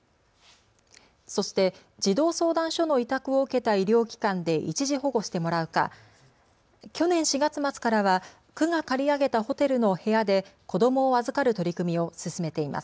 そして、児童相談所の委託を受けた医療機関で一時保護してもらうか去年４月末からは区が借り上げたホテルの部屋で子どもを預かる取り組みを進めています。